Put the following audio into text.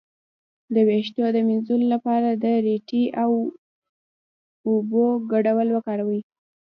د ویښتو د مینځلو لپاره د ریټې او اوبو ګډول وکاروئ